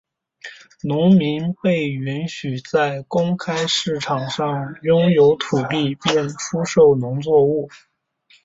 农民被允许在公开市场上拥有土地并出售农作物。